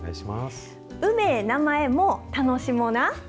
うめぇ名前も楽しもな！